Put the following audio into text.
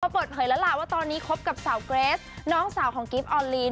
เปิดเผยแล้วล่ะว่าตอนนี้คบกับสาวเกรสน้องสาวของกิฟต์ออนลีน